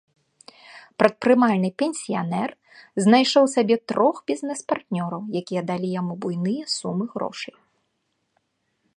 Прадпрымальны пенсіянер знайшоў сабе трох бізнэс-партнёраў, якія далі яму буйныя сумы грошай.